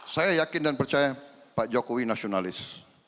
saya yakin dan percaya pak jokowi nasionalis